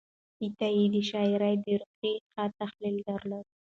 عطایي د شاعرۍ د روحیې ښه تحلیل درلود.